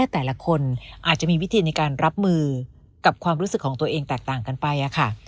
แต่ละคนอาจจะมีวิธีในการรับมือกับความรู้สึกของตัวเองแตกต่างกันไปค่ะ